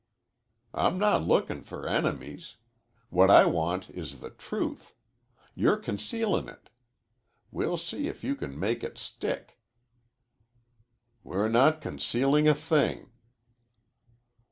"I'm not lookin' for enemies. What I want is the truth. You're concealin' it. We'll see if you can make it stick." "We're not concealing a thing."